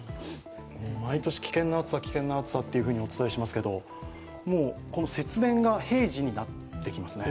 毎年、危険な暑さ、危険な暑さとお伝えしていますけれども、この節電が平時になってきますね。